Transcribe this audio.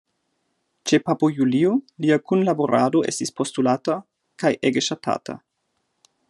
Ĉe papo Julio lia kunlaborado estis postulata kaj ege ŝatata.